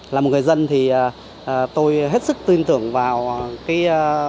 là một người dân thì tôi hết sức tin tưởng vào cái